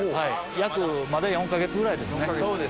約まだ４か月ぐらいですね。